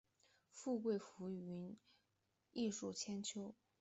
富贵浮云，艺术千秋